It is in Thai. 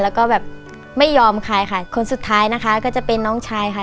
แล้วก็แบบไม่ยอมใครค่ะคนสุดท้ายนะคะก็จะเป็นน้องชายค่ะ